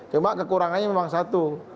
cuma kekurangannya memang satu